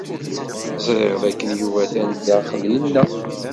Ẓriɣ dakken Yuba atan daxel-inna.